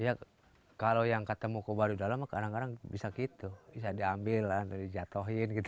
iya kalau yang ketemu ke baduy dalam kadang kadang bisa gitu bisa diambil dijatuhin gitu